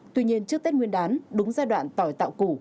tuy nhiên trước tết nguyên đán đúng giai đoạn tỏi tạo củ